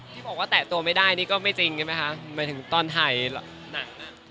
คิดว่าไม่ได้ก็ไม่จริงครับไหมถึงตอนถ่ายหนัง